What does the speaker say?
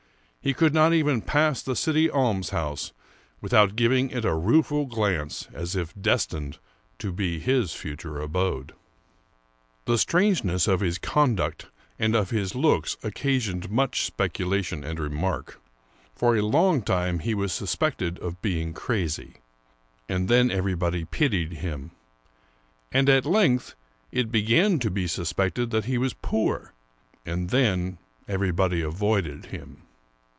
He could not even pass the city almshouse without giving it a rueful glance, as if destined to be his future abode. The strangeness of his conduct and of his looks occa sioned much speculation and remark. For a long time he 179 American Mystery Stories was suspected of being crazy, and then everybody pitied him ; and at length it began to be suspected that he was poor, and then everybody avoided him.